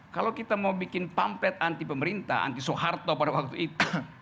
kalau kita mau bikin pamplet anti pemerintah anti soeharto pada waktu itu